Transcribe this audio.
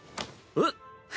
えっ？